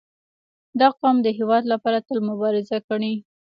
• دا قوم د هېواد لپاره تل مبارزه کړې.